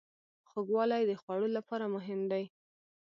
خوږوالی د خوړو لپاره مهم دی.